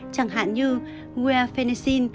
chẳng hạn như guafenicin